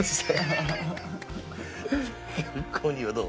コニーはどう？